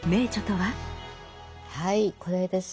はいこれです。